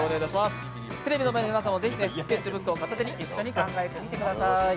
テレビの前の皆さんもぜひ、スケッチブックを片手に一緒に考えてみてください。